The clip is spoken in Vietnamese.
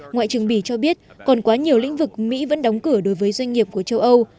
ngoại trưởng bỉ cho biết còn quá nhiều lĩnh vực mỹ vẫn đóng cửa đối với doanh nghiệp của châu âu